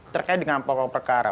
terkait dengan pokok perkara